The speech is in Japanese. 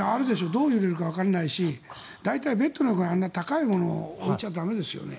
どう揺れるかわからないし大体、ベットの近くにあんな高いものを置いちゃ駄目ですよね。